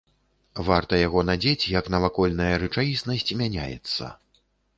Варта яго надзець, як навакольная рэчаіснасць мяняецца.